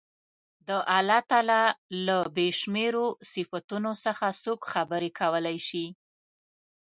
د الله تعالی له بې شمېرو صفتونو څخه څوک خبرې کولای شي.